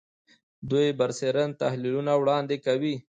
دوی برسېرن تحلیلونه وړاندې کوي